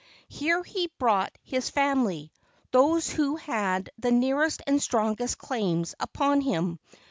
Here he brought his family, those who had the nearest and strongest claims upon him.